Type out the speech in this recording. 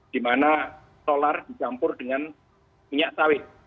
dimana solar dicampur dengan minyak sawit